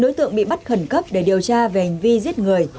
một mươi chín đối tượng bị bắt khẩn cấp để điều tra về hành vi giết người